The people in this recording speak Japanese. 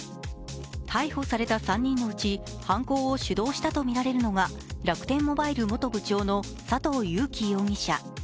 逮捕された３人のうち、犯行を主導したとみられるのが楽天モバイル元部長の佐藤友紀容疑者。